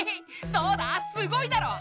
どうだすごいだろう！